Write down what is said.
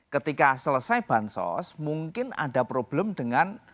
ketika selesai bansos mungkin ada problem dengan